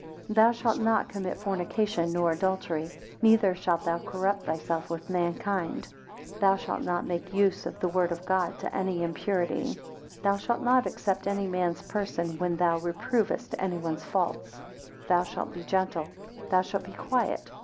8 Thou shaft not commit fornication, nor adultery. Neither shalt thou corrupt thyself with mankind. Thou shalt not make use of the word of God, to any impurity, 9 Thou shalt not except any man's person, when thou reprovest any one's faults. Thou shalt be gentle. Thou shalt be quiet.